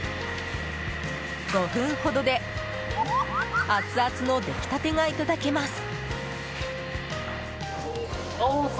５分ほどでアツアツの出来たてがいただけます。